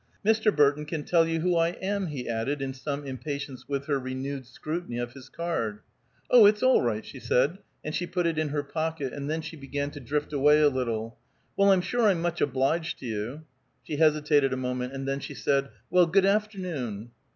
"Mr. Burton can tell you who I am," he added in some impatience with her renewed scrutiny of his card. "Oh, it's all right," she said, and she put it in her pocket, and then she began to drift away a little. "Well, I'm sure I'm much obliged to you." She hesitated a moment, and then she said, "Well, good afternoon."